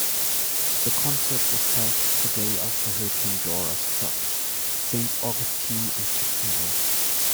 The concert was held the day after Hurricane Dora struck Saint Augustine and Jacksonville.